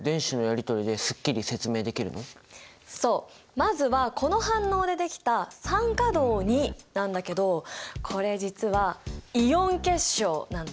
まずはこの反応でできた酸化銅なんだけどこれ実はイオン結晶なんだ。